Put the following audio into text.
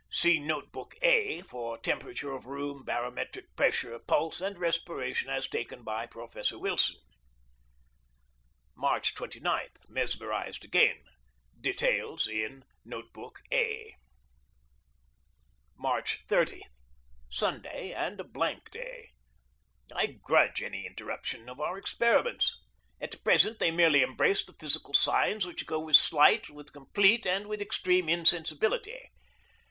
See Note book A for temperature of room, barometric pressure, pulse, and respiration as taken by Professor Wilson. March 29. Mesmerized again. Details in Note book A. March 30. Sunday, and a blank day. I grudge any interruption of our experiments. At present they merely embrace the physical signs which go with slight, with complete, and with extreme insensibility.